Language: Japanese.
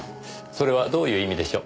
それはどういう意味でしょう。